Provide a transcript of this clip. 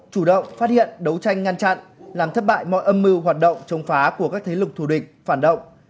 chủ động phát hiện đấu tranh ngăn chặn làm thất bại mọi âm mưu hoạt động chống phá của các thế lực thù địch phản động